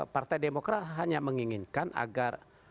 partai demokrat hanya menginginkan agar